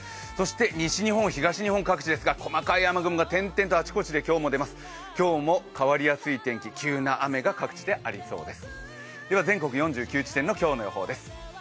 西日本、東日本各地ですが細かい雲があちこちで今日も出ます、今日も変わりやすい天気、急な雨が各地でありそうです。